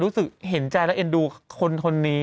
รู้สึกเห็นใจและเอ็นดูคนนี้